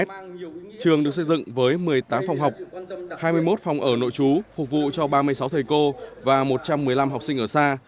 trường được xây dựng với một mươi tám phòng học hai mươi một phòng ở nội trú phục vụ cho ba mươi sáu thầy cô và một trăm một mươi năm học sinh ở xa